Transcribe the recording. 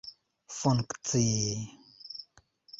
funkcii